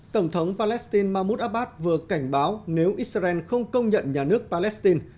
tổng thống palestine mahmoud abbas vừa cảnh báo nếu israel không công nhận nhà nước palestine